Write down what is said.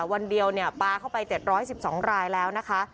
วันเดียวปลาเข้าไป๗๑๒รายแล้วนะคะ